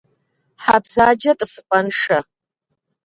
Хьэ бзаджэ тӏысыпӏэншэ.